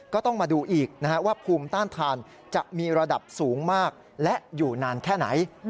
ก็ต้องมาดูอีกว่าภูมิต้านทานจะมีระดับสูงมากและอยู่นานแค่ไหน